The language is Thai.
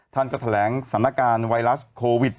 ท่านก็แถลงสถานการณ์ไวรัสโควิด